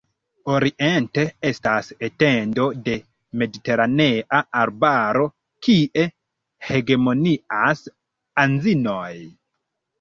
Oriente estas etendo de mediteranea arbaro, kie hegemonias anzinoj.